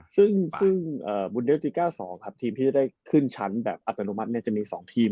ซึ่งบุญเดฟจิก้า๒ครับทีมที่จะได้ขึ้นชั้นแบบอัตโนมัติจะมี๒ทีม